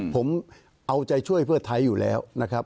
ผมเอาใจช่วยเพื่อไทยอยู่แล้วนะครับ